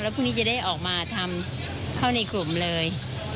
พรุ่งนี้จะได้ออกมาทำเข้าในกลุ่มเลย